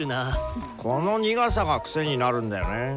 この苦さが癖になるんだよね。